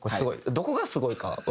どこがすごいか。